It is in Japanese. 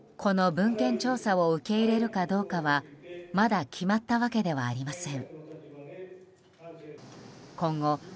この文献調査を受け入れるかどうかはまだ決まったわけではありません。